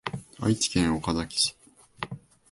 愛知県岡崎市